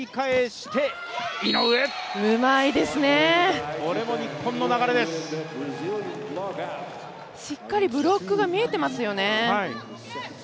しっかりブロックが見えていますよね。